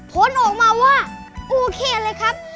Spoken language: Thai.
ผลออกมาว่าโอเคเลยครับ